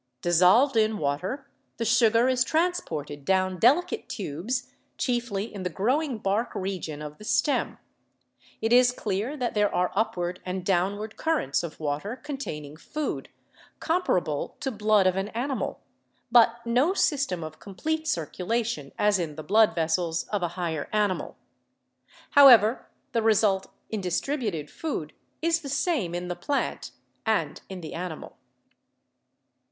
Dissolved in water, the sugar is transported down delicate tubes, chiefly in the growing bark region of the stem. It is clear that there are upward and downward currents of water containing food (comparable to blood of an animal), but no system of complete circulation as in the blood ves 112 BIOLOGY sels of a higher animal. However, the result in distributed food is the same in the plant and in the animal.